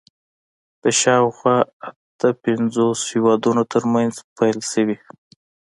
د شاوخوا اته پنځوس هېوادونو تر منځ پیل شوي